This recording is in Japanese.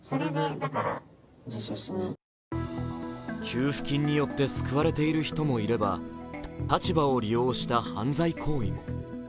給付金によって救われている人もいれば、立場を利用した犯罪行為も。